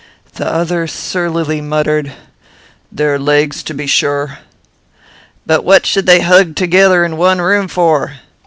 The other surlily muttered, "Their legs, to be sure." "But what should they hug together in one room for?"